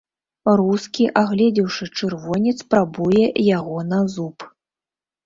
Рускі, агледзеўшы чырвонец, прабуе яго на зуб.